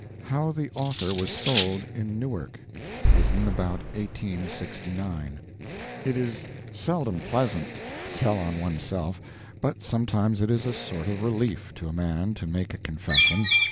HOW THE AUTHOR WAS SOLD IN NEWARK [Written about 1869.] It is seldom pleasant to tell on oneself, but some times it is a sort of relief to a man to make a confession.